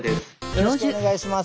よろしくお願いします